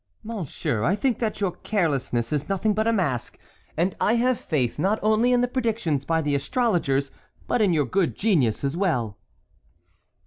"Monsieur, I think that your carelessness is nothing but a mask, and I have faith not only in the predictions by the astrologers, but in your good genius as well."